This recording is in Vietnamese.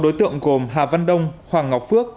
đối tượng gồm hà văn đông hoàng ngọc phước